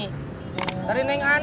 dulu kamu ngejar neng ani